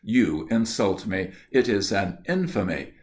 "You insult me. It is an infamy.